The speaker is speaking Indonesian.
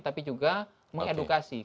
tapi juga mengedukasi